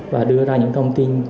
và đưa ra những thông tin